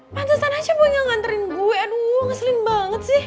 pantesan aja gue gak nganterin gue aduh ngeselin banget sih